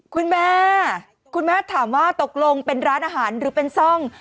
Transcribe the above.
คุณแม่คุณแม่ถามว่าตกลงเป็นร้านอาหารหรือเป็นซ่อง